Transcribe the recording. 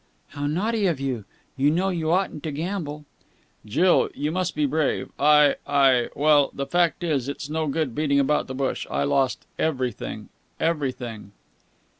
"How naughty of you! You know you oughtn't to gamble." "Jill, you must be brave. I I well, the fact is it's no good beating about the bush I lost everything! Everything!"